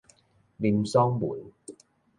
林爽文